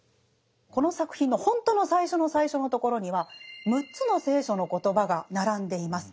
この作品のほんとの最初の最初のところには６つの聖書の言葉が並んでいます。